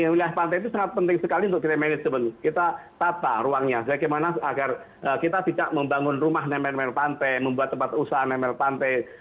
wilayah pantai itu sangat penting sekali untuk kita management kita tata ruangnya bagaimana agar kita tidak membangun rumah nempel nemer pantai membuat tempat usaha nemer pantai